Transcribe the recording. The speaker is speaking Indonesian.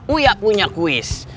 uya punya kuis